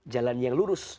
jalan yang lurus